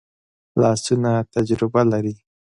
لاسونه تجربه لري